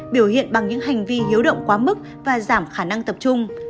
biểu hiện bằng những hành vi hiếu động quá mức và giảm khả năng tập trung